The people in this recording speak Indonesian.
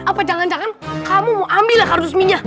apa jangan jangan kamu mau ambillah kardus minyak